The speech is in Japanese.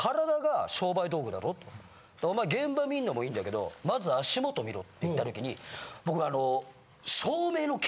お前現場見んのもいいんだけど。って言ったときに僕。